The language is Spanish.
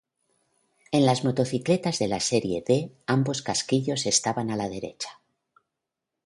En las motocicletas de la Serie D, ambos casquillos estaban a la derecha.